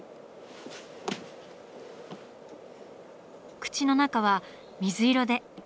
口の中は水色で。